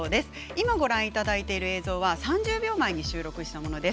今、ご覧いただいている映像は３０秒前に収録したものです。